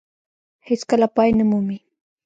هېڅ کله پای نه مومي.